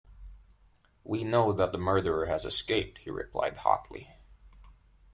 "We know that the murderer has escaped," he replied hotly.